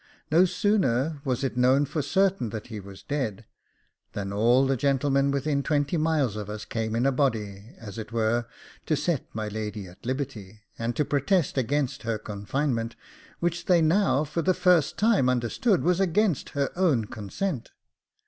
No sooner was it known for certain that he was dead, than all the gentlemen within twenty miles of us came in a body, as it were, to set my lady at liberty, and to protest against her confinement, which they now for the first time understood was against her own consent.